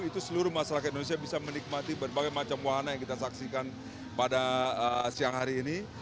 itu seluruh masyarakat indonesia bisa menikmati berbagai macam wahana yang kita saksikan pada siang hari ini